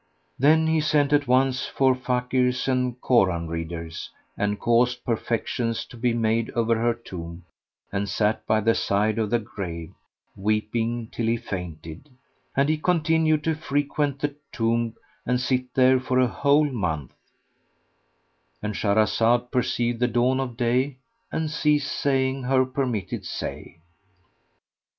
Then he sent at once for Fakirs and Koran readers, and caused perlections to be made over her tomb and sat by the side of the grave, weeping till he fainted; and he continued to frequent the tomb and sit there for a whole month,— And Shahrazad perceived the dawn of day and ceased saying her permitted say.